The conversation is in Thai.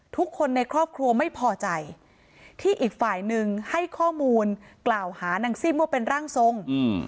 ทุกคนในครอบครัวไม่พอใจที่อีกฝ่ายหนึ่งให้ข้อมูลกล่าวหานางซิ่มว่าเป็นร่างทรง